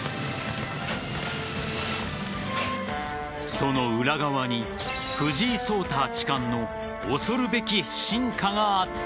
その裏側に、藤井聡太八冠の恐るべき進化があった。